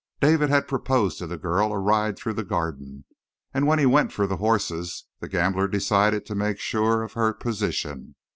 David had proposed to the girl a ride through the Garden, and when he went for the horses the gambler decided to make sure of her position.